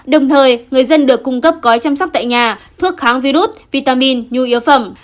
đồng thời người dân được cung cấp gói chăm sóc tại nhà thuốc kháng virus vitamin nhu yếu phẩm